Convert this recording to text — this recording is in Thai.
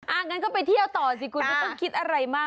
งั้นก็ไปเที่ยวต่อสิคุณไม่ต้องคิดอะไรมาก